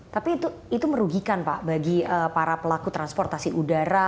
tapi itu merugikan pak bagi para pelaku transportasi udara